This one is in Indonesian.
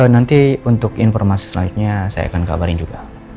nanti untuk informasi selanjutnya saya akan kabarin juga